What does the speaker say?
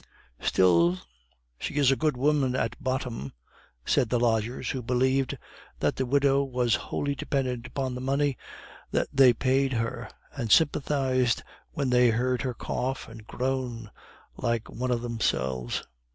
Still, "she is a good woman at bottom," said the lodgers who believed that the widow was wholly dependent upon the money that they paid her, and sympathized when they heard her cough and groan like one of themselves.